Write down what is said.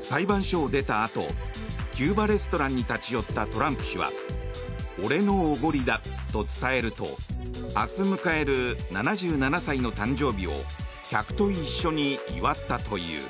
裁判所を出たあとキューバレストランに立ち寄ったトランプ氏は俺のおごりだと伝えると明日迎える７７歳の誕生日を客と一緒に祝ったという。